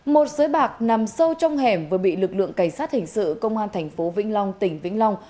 một sới bạc nằm sâu trong hẻm vừa bị lực lượng cảnh sát hình sự công an thành phố vĩnh long tỉnh vĩnh long